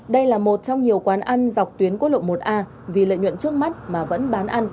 đây là một trong nhiều quán ăn dọc tuyến quốc lộ một a vì lợi nhuận trước mắt mà vẫn bán ăn